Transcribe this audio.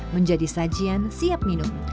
menjadi sajian siap minum